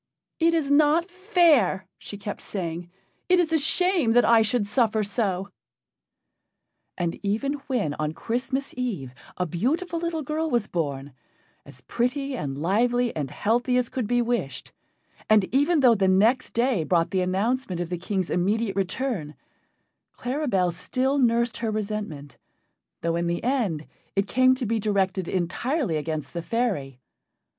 "It is not fair," she kept saying, "it is a shame that I should suffer so." And even when on Christmas Eve a beautiful little girl was born, as pretty and lively and healthy as could be wished, and even though the next day brought the announcement of the King's immediate return, Claribel still nursed her resentment, though in the end it came to be directed entirely against the fairy.